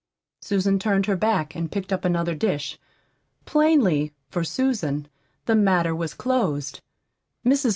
Susan turned her back and picked up another dish. Plainly, for Susan, the matter was closed. Mrs.